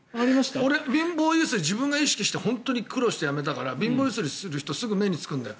貧乏揺すり自分が意識して本当に苦労してやめたから貧乏揺すりする人がすぐ目につくんだよ。